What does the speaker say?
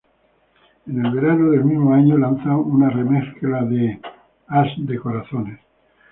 En el verano del mismo año lanza una remezcla de "As de corazones".